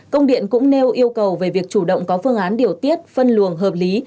công điện cũng nêu yêu cầu về việc chủ động có phương án điều tiết phân luồng hợp lý